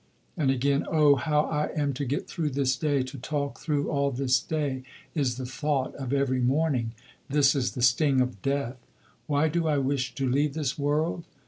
And again, "Oh, how I am to get through this day, to talk through all this day, is the thought of every morning.... This is the sting of death. Why do I wish to leave this world?